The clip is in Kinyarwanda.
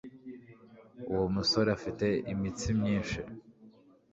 uwo musore afite imitsi myinshi